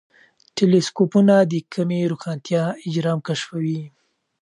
ټیلېسکوپونه د کمې روښانتیا اجرام کشفوي.